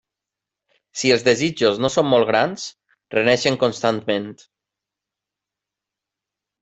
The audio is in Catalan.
Si els desitjos no són molt grans, reneixen constantment.